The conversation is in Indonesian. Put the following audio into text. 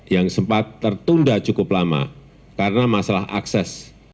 yang sempat tertunda cukup lama karena masalah akses